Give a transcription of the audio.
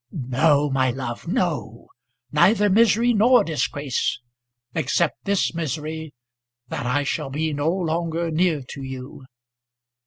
"No, my love, no; neither misery nor disgrace, except this misery, that I shall be no longer near to you.